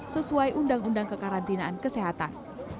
sesuai undang undang kekarantinaan kesehatan